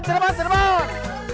serban serban serban